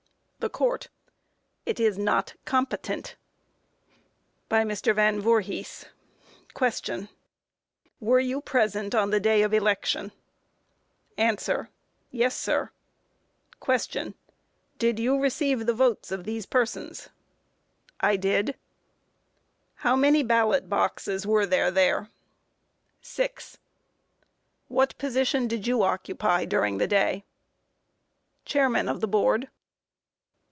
THE COURT: It is not competent. By MR. VAN VOORHIS: Q. Were you present on the day of election? A. Yes, sir. Q. Did you receive the votes of these persons? A. I did. Q. How many ballot boxes were there there? A. Six. Q. What position did you occupy during the day? A. Chairman of the Board.